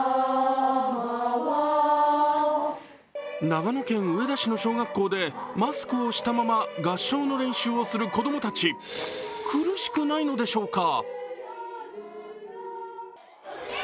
長野県上田市の小学校でマスクをしたまま合唱の練習をする子供たち、苦しくないのでしょうか。